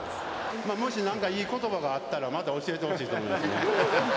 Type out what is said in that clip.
まあ、もし、なんかいいことばがあったら、また教えてほしいと思います